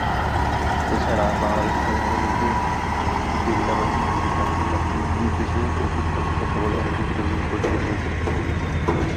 এছাড়া, বাংলাদেশের স্বাধীনতা যুদ্ধের গেরিলা বাহিনী মুজিব বাহিনী তার নির্দেশে ও প্রত্যক্ষ তত্ত্বাবধানে গঠিত এবং পরিচালিত হয়েছিল।